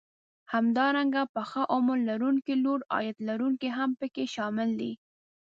همدارنګه پخه عمر لرونکي لوړ عاید لرونکي هم پکې شامل دي